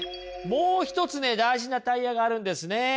もう一つね大事なタイヤがあるんですね。